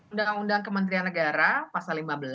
undang undang kementerian negara pasal lima belas